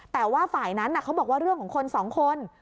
แต่ว่าฝ่ายนั้นเขาบอกว่าเรื่องของคนสองคน